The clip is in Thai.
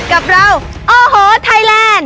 กับเราโอ้โหไทยแลนด์